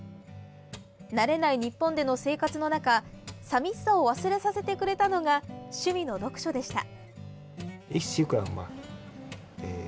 慣れない日本での生活の中寂しさを忘れさせてくれたのが趣味の読書でした。